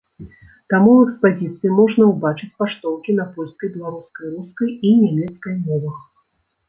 Таму ў экспазіцыі можна ўбачыць паштоўкі на польскай, беларускай, рускай і нямецкай мовах.